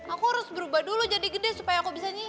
aku harus berubah dulu jadi gede supaya aku bisa nyanyi